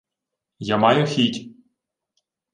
— Я маю хіть.